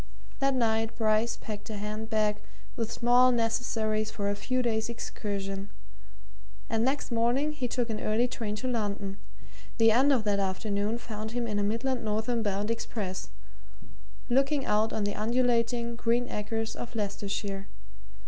That night Bryce packed a hand bag with small necessaries for a few days' excursion, and next morning he took an early train to London; the end of that afternoon found him in a Midland northern bound express, looking out on the undulating, green acres of Leicestershire.